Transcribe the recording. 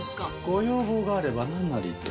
ご要望があればなんなりと。